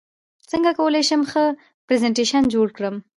څنګه کولی شم ښه پرزنټیشن جوړ کړم